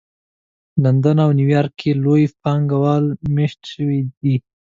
لندن او نیویارک کې لوی پانګه وال مېشت شوي دي